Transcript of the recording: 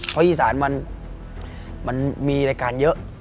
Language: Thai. เพราะอีสานมันมีรายการเยอะ